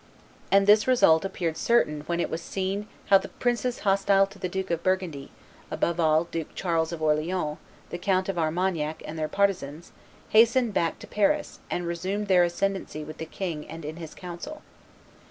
And this result appeared certain when it was seen how the princes hostile to the Duke of Burgundy, above all, Duke Charles of Orleans, the Count of Armagnac and their partisans hastened back to Paris, and resumed their ascendency with the king and in his council.